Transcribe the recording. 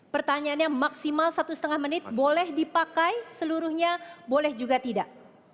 pertanyaannya maksimal satu setengah menit boleh dipakai seluruhnya boleh juga tidak